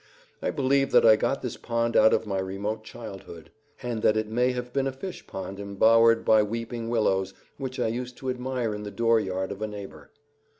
I believe that I got this pond out of my remote childhood, and that it may have been a fish pond embowered by weeping willows which I used to admire in the door yard of a neighbor.